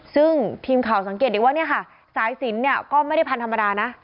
ซึ่งทีมข่าวสังเกตได้ว่าเนี่ยค่ะสายสินเนี่ยก็ไม่ได้พันธุ์ธรรมดานะ